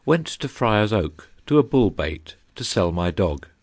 Went to Fryersoake to a Bull Bait to Sell My dog.